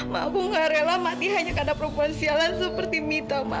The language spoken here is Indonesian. ma aku gak rela mati hanya karena proporsialan seperti mita ma